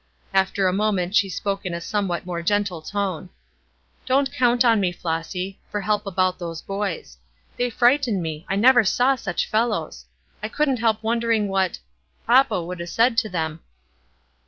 After a moment she spoke in a somewhat more gentle tone: "Don't count on me, Flossy, for help about those boys. They frighten me; I never saw such fellows. I couldn't help wondering what papa would have said to them."